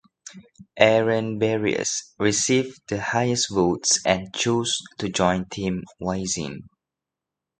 Aaron Barrios received the highest votes and chose to join Team Wisin.